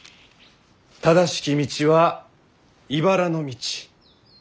正しき道はいばらの道。